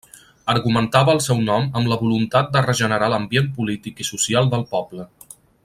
Argumentava el seu nom amb la voluntat de regenerar l'ambient polític i social del poble.